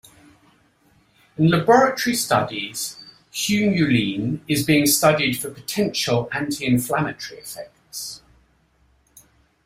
In laboratory studies, humulene is being studied for potential anti-inflammatory effects.